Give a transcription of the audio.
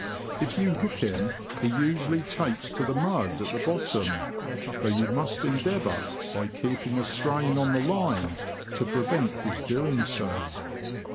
If you hook him, he usually takes to the mud at the bottom, though you must endeavour, by keeping a strain on the line, to prevent his doing so.